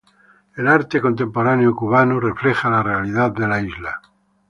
El el arte contemporaneo Cubano refleja la realidad de la isla.